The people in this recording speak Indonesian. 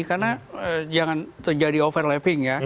karena jangan terjadi overlapping ya